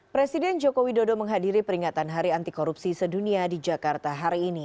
presiden joko widodo menghadiri peringatan hari anti korupsi sedunia di jakarta hari ini